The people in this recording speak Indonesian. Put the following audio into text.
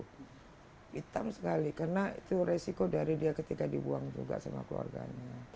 hitam sekali karena itu resiko dari dia ketika dibuang juga sama keluarganya